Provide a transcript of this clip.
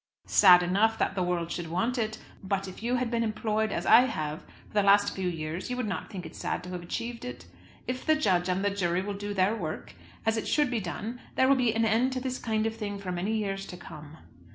"Sad enough, that the world should want it. But if you had been employed as I have for the last few years, you would not think it sad to have achieved it. If the judge and the jury will do their work as it should be done there will be an end to this kind of thing for many years to come.